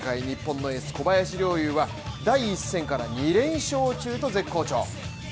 日本のエース小林陵侑は第１戦から２連勝中と絶好調。